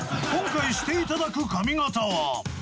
今回していただく髪形は？